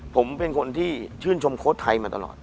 ผมเป็นคนที่ชื่นชมโค้ดไทยมาตลอด